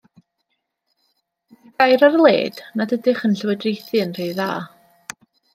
Mae'r gair ar led nad ydych yn llywodraethu yn rhy dda.